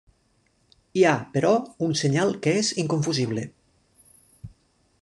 Hi ha, però, un senyal que és inconfusible.